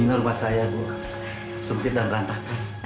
ini rumah saya bu sempit dan rantah